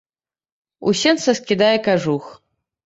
У сенцах скідае кажух.